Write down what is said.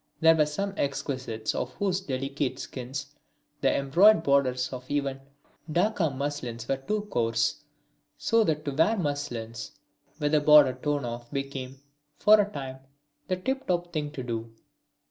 There were some exquisites for whose delicate skins the embroidered borders of even Dacca muslins were too coarse, so that to wear muslins with the border torn off became, for a time, the tip top thing to do.